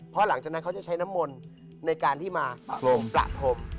เพราะหลังจากนั้นเขาจะใช้น้ำมนต์ในการที่มาประพรม